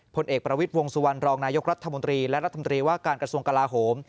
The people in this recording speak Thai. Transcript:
ผลเอกประวิทย์วงสุวรรณรองนายกรัฐมนตรีและรัฐมนตรีว่าการกระทรวงกลาโหม